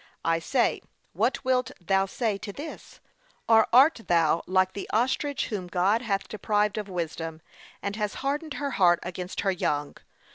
I say, what wilt thou say to this? Or art thou like the ostrich whom God hath deprived of wisdom, and has hardened her heart against her young?